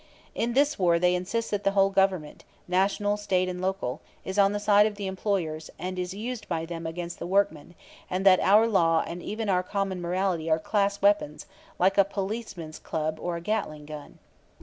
In this war they insist that the whole government National, State and local is on the side of the employers and is used by them against the workmen, and that our law and even our common morality are class weapons, like a policeman's club or a Gatling gun.